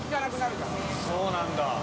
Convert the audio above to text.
そうなんだ。